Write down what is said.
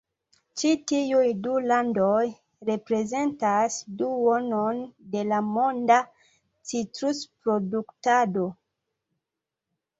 Ĉi tiuj du landoj reprezentas duonon de la monda citrusproduktado.